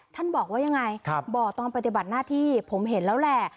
ท่านบอกว่ายังไงบ่อตอนปฏิบัติหน้าที่ผมเห็นแล้วแหละ